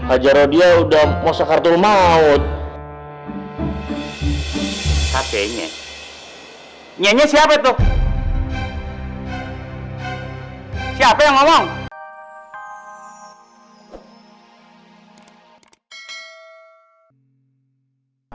aja dia udah mau sekartul maut hatinya nyanyi siapa tuh siapa yang ngomong